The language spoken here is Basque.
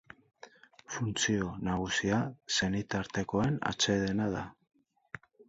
Funtzio nagusia senitartekoen atsedena da.